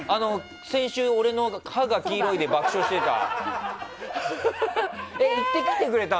先週、俺の歯が黄色いで爆笑してた。